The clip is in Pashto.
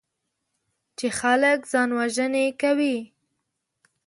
چې خلک ځانوژنې کوي.